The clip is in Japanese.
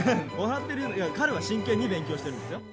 彼は真剣に勉強しているんですよ。